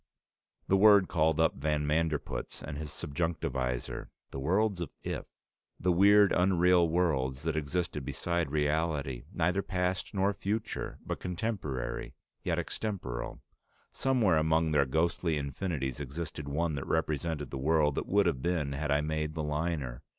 The word called up van Manderpootz and his subjunctivisor the worlds of "if," the weird, unreal worlds that existed beside reality, neither past nor future, but contemporary, yet extemporal. Somewhere among their ghostly infinities existed one that represented the world that would have been had I made the liner.